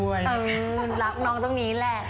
รักน้องตรงนี้แหละ